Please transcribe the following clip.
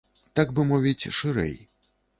Так бы мовіць, шырэй.